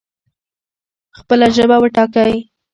خپله ژبه وټاکئ